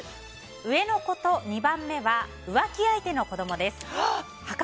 上の子と２番目は浮気相手の子供です。